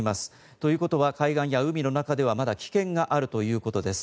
ということは海岸や海の中ではまだ危険があるということです。